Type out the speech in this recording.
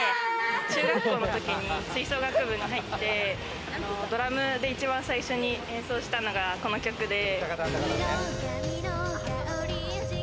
中学校の時に吹奏楽部に入って、ドラムで一番最初に演奏したのが、この曲で。